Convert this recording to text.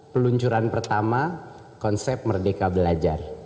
peluncuran pertama konsep merdeka belajar